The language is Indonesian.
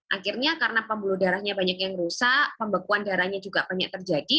akhirnya karena pembuluh darahnya banyak yang rusak pembekuan darahnya juga banyak terjadi